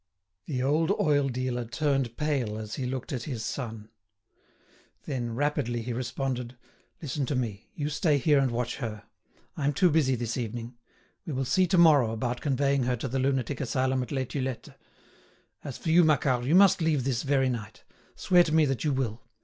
The old oil dealer turned pale as he looked at his son. Then, rapidly, he responded: "Listen to me; you stay here and watch her. I'm too busy this evening. We will see to morrow about conveying her to the lunatic asylum at Les Tulettes. As for you, Macquart, you must leave this very night. Swear to me that you will!